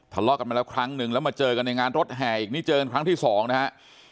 ทะเลาะกันมาแล้วครั้งหนึ่งแล้วมาเจอกันในงานรถแห่อีกนี่เจอกันครั้งที่สองนะฮะ